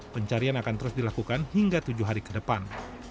pencarian akan terus dilakukan hingga tujuh hari ke depan